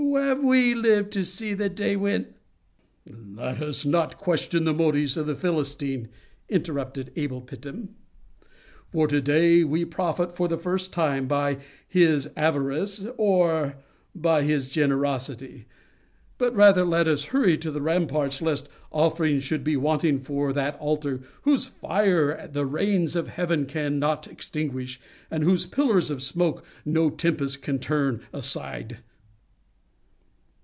Have we lived to see the day when—" "Let us not question the motives of the Philistine," interrupted Abel Phittim, "for to day we profit for the first time by his avarice or by his generosity; but rather let us hurry to the ramparts, lest offerings should be wanting for that altar whose fire the rains of heaven can not extinguish, and whose pillars of smoke no tempest can turn aside."